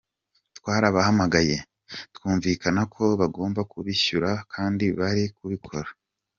Twarabahamagaye, twumvikana ko bagomba kubishyura kandi bari kubikora.